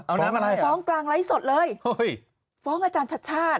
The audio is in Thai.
เอาน้ำอะไรฟ้องกลางไลฟ์สดเลยเฮ้ยฟ้องอาจารย์ชัดชาติ